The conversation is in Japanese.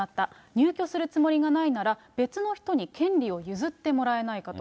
入居するつもりがないなら、別の人に権利を譲ってもらえないかと。